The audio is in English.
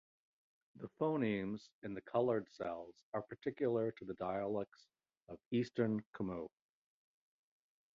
The phonemes in the colored cells are particular to the dialects of Eastern Khmu.